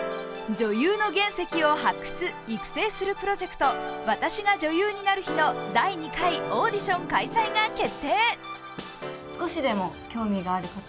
女優の原石を発掘、発見するプロジェクト『私が女優になる日＿』の第２回オーディション開催が決定。